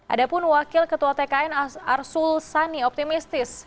ada pun wakil ketua tkn arsul sani optimistis